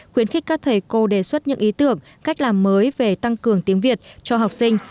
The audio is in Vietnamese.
khuyến khích các thầy cô đề xuất những ý tưởng cách làm mới về tăng cường tiếng việt cho học sinh